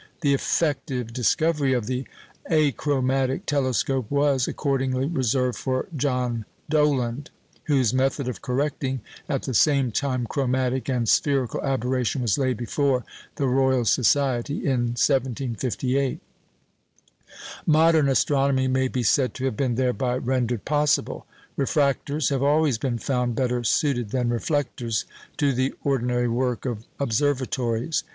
The effective discovery of the achromatic telescope was, accordingly, reserved for John Dollond, whose method of correcting at the same time chromatic and spherical aberration was laid before the Royal Society in 1758. Modern astronomy may be said to have been thereby rendered possible. Refractors have always been found better suited than reflectors to the ordinary work of observatories.